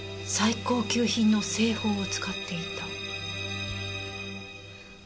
最高級品の清鳳を使っていた。